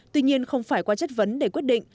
tuy nhiên không phải qua chất vấn để quyết định